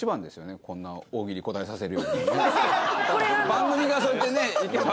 番組がそうやってね行けば。